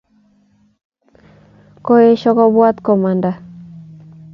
Koesho kobwat komanda